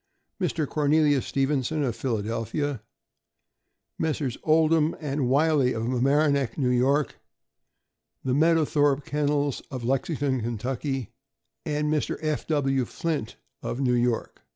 Mr. Cornelius Stevenson, of Philadelphia; Messrs. Oldham and Wiley, of Mamaroneck, N. Y. ; the Meadowthorpe Kennels, of Lexington, Ky., and Mr. F. W. Flint, of New York.